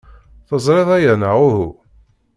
Teẓriḍ aya, neɣ uhu?